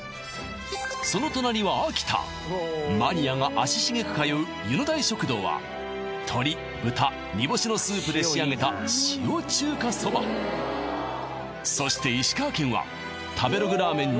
その隣は秋田マニアが足しげく通う湯の台食堂は鶏豚煮干しのスープで仕上げた塩中華そばそして石川県は食べログラーメン